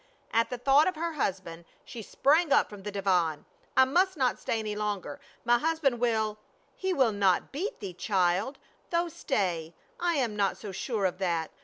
At the thought of her husband she sprang up from the divan. " I must not stay longer, my hus band will —"" He will not beat thee, child — though stay, I am not so sure of that.